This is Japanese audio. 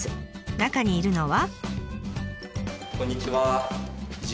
中にいるのは。